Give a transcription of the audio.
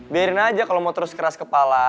biarin aja kalau mau terus keras kepala